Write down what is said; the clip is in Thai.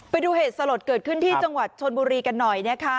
ไปดูเหตุสลดเกิดขึ้นที่จังหวัดชนบุรีกันหน่อยนะคะ